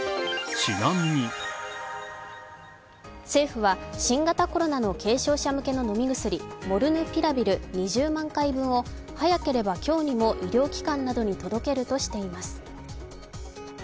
政府は新型コロナの軽症者向けの薬モルヌピラビル２０万回分を早ければ今日にも医療機関などに届けるとしています。